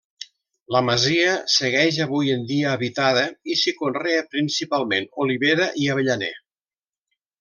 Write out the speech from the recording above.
La masia segueix avui en dia habitada, i s'hi conrea principalment olivera i avellaner.